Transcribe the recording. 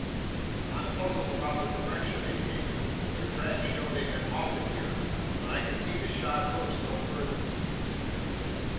"I'm puzzled about the direction they've taken. Their tracks show they've been halted here; but I can see the shod hoofs no farther."